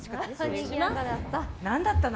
何だったの？